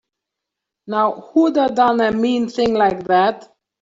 Now who'da done a mean thing like that?